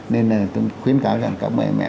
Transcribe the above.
nên là tôi khuyến cáo rằng các mẹ mẹ